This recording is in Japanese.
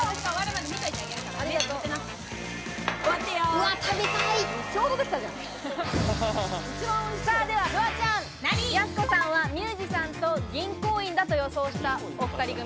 うわ、食べたい！ではフワちゃん、やす子さんはミュージシャンと銀行員だと予想したお２人組。